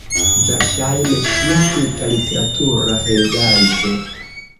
Verŝajne, ŝia tuta literatura heredaĵo.